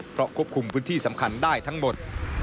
เพราะควบคุมพื้นที่สำคัญได้ทั้งหมด